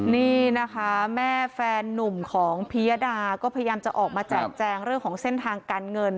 นี่นะคะแม่แฟนนุ่มของพิยดาก็พยายามจะออกมาแจกแจงเรื่องของเส้นทางการเงิน